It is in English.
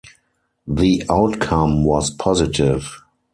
The outcome was positive.